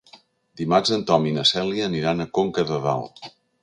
Dimarts en Tom i na Cèlia aniran a Conca de Dalt.